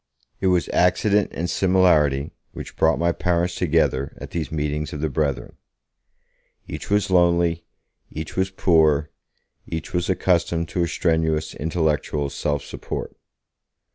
It was accident and similarity which brought my parents together at these meetings of the Brethren. Each was lonely, each was poor, each was accustomed to a strenuous intellectual self support.